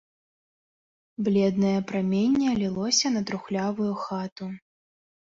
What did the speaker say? Бледнае праменне лілося на трухлявую хату.